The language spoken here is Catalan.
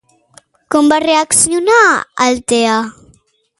Com va reaccionar Altea?